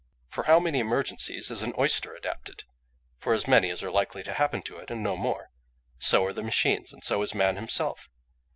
"For how many emergencies is an oyster adapted? For as many as are likely to happen to it, and no more. So are the machines; and so is man himself.